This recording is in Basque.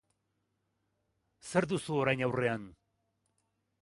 Zer duzu orain aurrean?